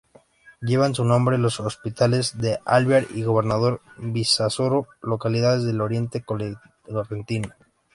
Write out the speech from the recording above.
Llevan su nombre los hospitales de Alvear y Gobernador Virasoro, localidades el oriente correntino.